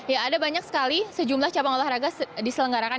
ya ada banyak sekali sejumlah cabang olahraga diselenggarakan